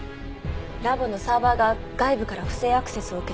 ラボのサーバーが外部から不正アクセスを受けて。